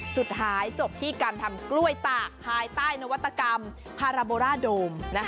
สุดท้ายจบที่การทำกล้วยตากภายใต้นวัตกรรมคาราโบร่าโดม